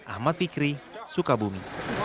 ahmad fikri sukabumi